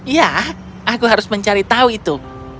ya aku harus mencari tahu itu